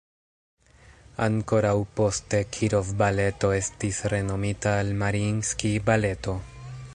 Ankoraŭ poste Kirov-Baleto estis renomita al "Mariinskij-Baleto".